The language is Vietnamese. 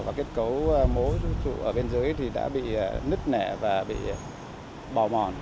và kết cấu mố ở bên dưới đã bị nứt nẻ và bị bỏ mòn